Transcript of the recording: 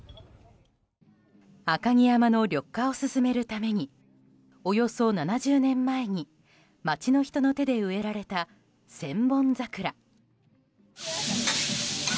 赤城山の緑化を進めるためにおよそ７０年前に街の人の手で植えられた千本桜。